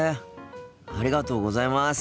ありがとうございます。